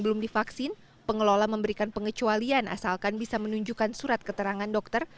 belum divaksin pengelola memberikan pengecualian asalkan bisa menunjukkan surat keterangan dokter